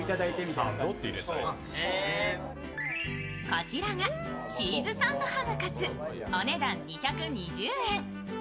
こちらがチーズサンドハムカツ、お値段２２０円。